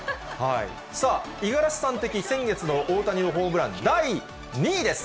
さあ、五十嵐さん的先月の大谷のホームラン第２位です。